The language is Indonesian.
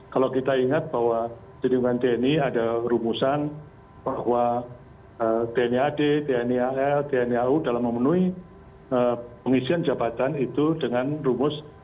kalau kita ingat bahwa di tni ada rumusan bahwa tni ad tni al tni au dalam memenuhi pengisian jabatan itu dengan rumus lima ratus tiga puluh dua